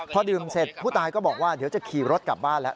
พอดื่มเสร็จผู้ตายก็บอกว่าเดี๋ยวจะขี่รถกลับบ้านแล้ว